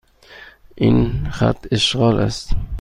این خط اشغال است.